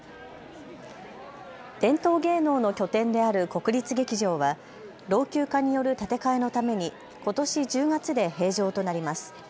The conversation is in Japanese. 伝統芸能の拠点である国立劇場は老朽化による建て替えのためにことし１０月で閉場となります。